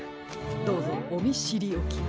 どうぞおみしりおきを。